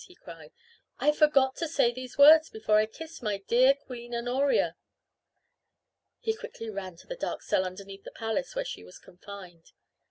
he cried. "I forgot to say these words before I kissed my dear Queen Honoria!" He quickly ran to the dark cell underneath the palace where she was confined.